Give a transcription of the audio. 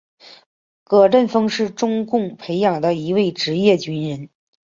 葛振峰是中共培养的一位职业军人。